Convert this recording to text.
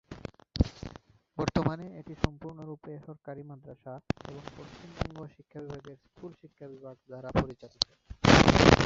বর্তমানে এটি সম্পূর্ণরূপে সরকারি মাদ্রাসা এবং পশ্চিমবঙ্গ শিক্ষা বিভাগের স্কুল শিক্ষা বিভাগ দ্বারা পরিচালিত।